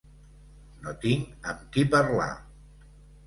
No tinc amb qui parlar.